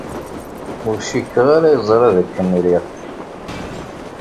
Ur cikkeɣ ara yeẓra dakken riɣ-k.